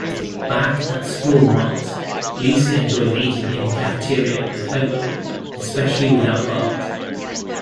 Back at Sprawl-Mart, Lisa enjoys eating in the cafeteria with Homer, especially without Bart.